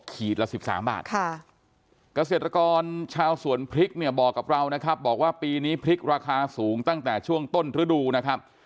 ละ๑๓บาทเกษตรกรชาวสวนพริกเนี่ยบอกกับเรานะครับบอกว่าปีนี้พริกราคาสูงตั้งแต่ช่วงต้นฤดูนะครับ